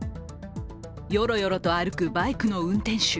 よろよろと歩くバイクの運転手。